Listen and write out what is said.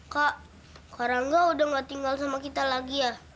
kak karangga udah gak tinggal sama kita lagi ya